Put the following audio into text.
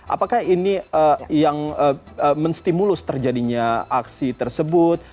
apakah ini yang menstimulus terjadinya aksi tersebut